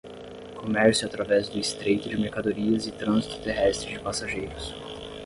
Comércio através do Estreito de mercadorias e trânsito terrestre de passageiros